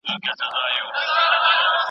استاد د څېړونکي مسوده په ځیرتیا لوستله.